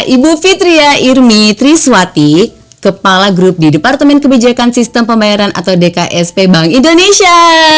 ibu fitria irmi triswati kepala grup di departemen kebijakan sistem pembayaran atau dksp bank indonesia